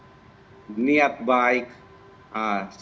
saya sangat menghargai niat baik dari kepolisian yang telah menetapkan